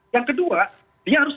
yang kedua dia harus